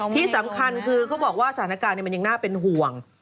ที่สำคัญคือเขาบอกว่าสถานการณ์มันยังน่าเป็นห่วง